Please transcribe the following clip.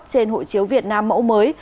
trên hộ chiếu việt nam mẫu mới